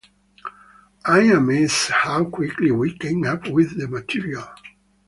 I'm amazed how quickly we came up with the material.